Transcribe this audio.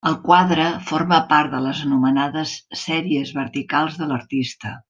El quadre forma part de les anomenades sèries verticals de l'artista.